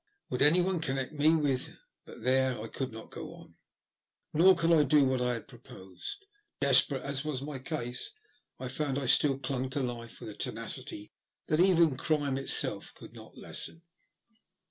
Would anyone connect me with — but there, I could not go on. Nor could I do what I had proposed. Desperate as was my case, I found I still clung to life with a tenacity that even crime itself could not lessen.